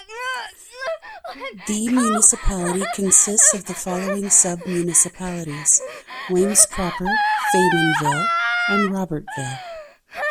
The municipality consists of the following sub-municipalities: Waimes proper, Faymonville, and Robertville.